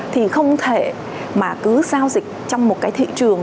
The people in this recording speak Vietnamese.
thì không thể mà cứ giao dịch trong một cái thị trường